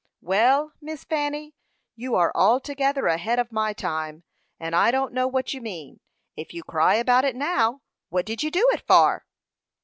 "Well, Miss Fanny, you are altogether ahead of my time; and I don't know what you mean. If you cry about it now, what did you do it for?"